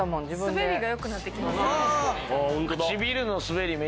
滑りが良くなってきますよね。